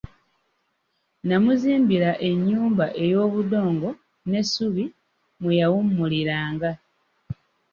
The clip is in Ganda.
N'amuzimbira ennyumba ey'obudongo n'essubi mwe yawummuliranga.